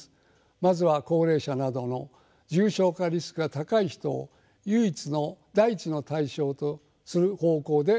まずは高齢者などの重症化リスクが高い人を第一の対象とする方向で考えられています。